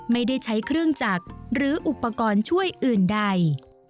ไม่ได้ใช้เครื่องจักรหรืออุปกรณ์ช่วยอื่นใด